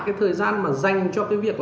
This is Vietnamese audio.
cái thời gian mà dành cho cái việc